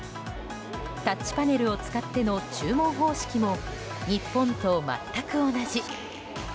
タッチパネルを使っての注文方式も日本と全く同じ。